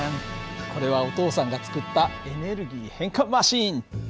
これはお父さんが作ったエネルギー変換マシーン！